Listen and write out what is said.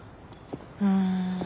うん。